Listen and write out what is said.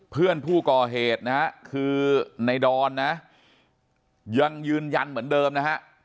เพื่อนผู้ก่อเหตุนะฮะคือในดอนนะยังยืนยันเหมือนเดิมนะฮะ